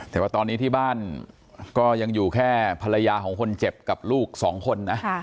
แต่ว่าตอนนี้ที่บ้านก็ยังอยู่แค่ภรรยาของคนเจ็บกับลูกสองคนนะ